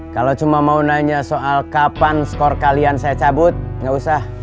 kalau cuma mau nanya soal kapan skor kalian saya cabut nggak usah